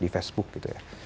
di facebook gitu ya